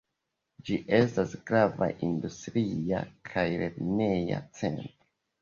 Ĝi estas grava industria kaj lerneja centro.